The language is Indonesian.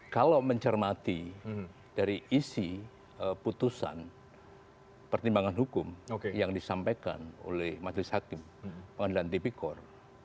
kalau mencermati dari isi putusan pertimbangan hukum yang disampaikan oleh majelis hakim pengadilan tipikor